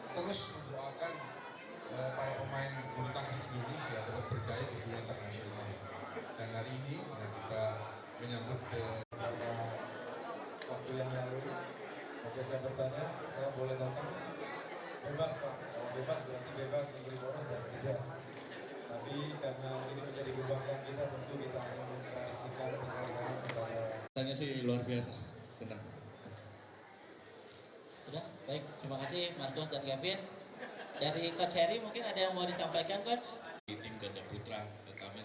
pak kiri pak kiri